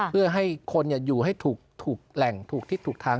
เพื่อให้คนอยู่ให้ถูกแหล่งถูกทิศถูกทาง